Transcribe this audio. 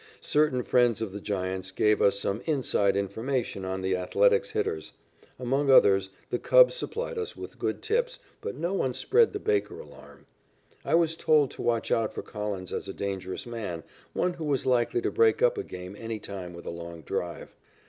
Certain friends of the Giants gave us some "inside" information on the Athletics' hitters. Among others, the Cubs supplied us with good tips, but no one spread the Baker alarm. I was told to watch out for Collins as a dangerous man, one who was likely to break up a game any time with a long drive.